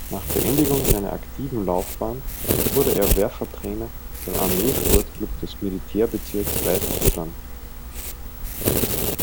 Nach Beendigung seiner aktiven Laufbahn wurde er Werfer-Trainer beim Armeesportklub des Militärbezirks Weißrussland.